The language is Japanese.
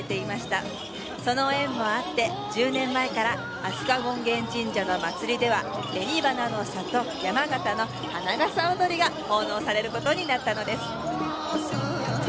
その縁もあって１０年前から飛鳥権現神社の祭りでは紅花の里・山形の花笠踊りが奉納される事になったのです。